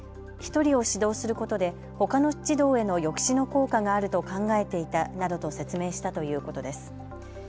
１人を指導することで、ほかの児童への抑止の効果があると考えていたなどと説明したということです。